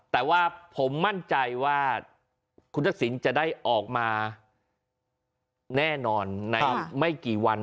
แต่ว่าผมมั่นใจว่าคุณทักษิณจะได้ออกมาแน่นอนในไม่กี่วัน